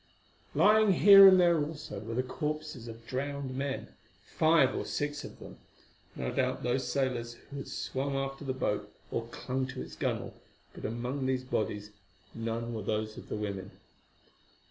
Lying here and there also were the corpses of drowned men, five or six of them: no doubt those sailors who had swum after the boat or clung to its gunwale, but among these bodies none were those of women.